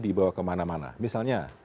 dibawa kemana mana misalnya